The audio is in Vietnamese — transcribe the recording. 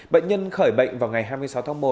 bệnh nhân khỏi bệnh vào ngày hai mươi sáu tháng một